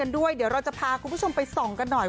ด้วยเดี๋ยวเราจะพาคุณผู้ชมไปส่องกันหน่อย